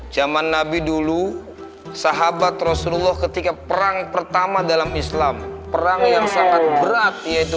zaman nabi dulu sahabat rasulullah ketika perang pertama dalam islam perang yang sangat berat yaitu